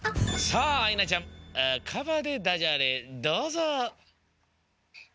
さああいなちゃん「カバ」でダジャレどうぞ。